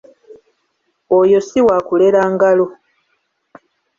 Oyo ssi waakulera ngalo.